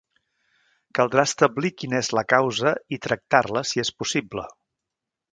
Caldrà establir quina és la causa, i tractar-la si és possible.